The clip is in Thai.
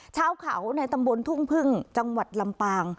ชาวเขาในตำบลทุ่งพึ่งจังหวัดลำปาง